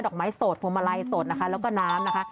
ดอกไม้สดโฟมะไรสดนะคะแล้วก็น้ำนะคะ